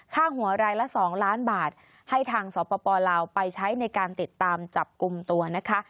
ค่าหัวรายละ๒ล้านบาทให้ทางสปลาวไปใช้ในการติดตามจับกลุ่มตัวนะคะ